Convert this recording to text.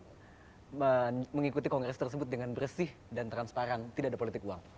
hai sementara pada program besar yang saya tawarkan in kalau secara jumlah sebenarnya itu jauh lebih